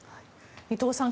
伊藤さん